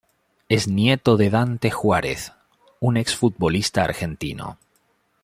Es nieto de Dante Juárez, un ex futbolista argentino.